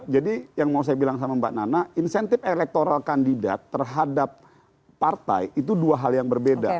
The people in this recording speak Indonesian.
jadi yang mau saya bilang sama mbak nana insentif elektoral kandidat terhadap partai itu dua hal yang berbeda